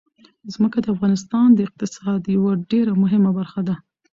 ځمکه د افغانستان د اقتصاد یوه ډېره مهمه برخه ده.